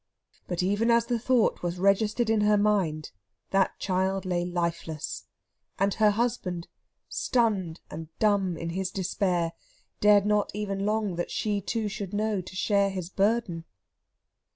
But even as the thought was registered in her mind, that child lay lifeless; and her husband, stunned and dumb in his despair, dared not even long that she, too, should know, to share his burden.